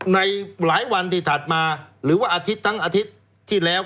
ในหลายวันที่ถัดมาหรือว่าอาทิตย์ทั้งอาทิตย์ที่แล้ว